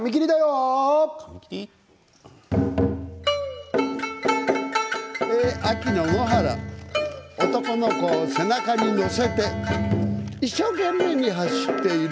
お囃子秋の野原男の子を背中に乗せて一生懸命走っている。